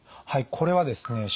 はいこれはですね